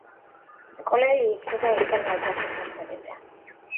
მკვლელი ისევ და ისევ ნაჯახით მოქმედებდა.